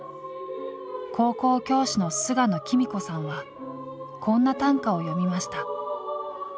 高校教師の菅野公子さんはこんな短歌を詠みました。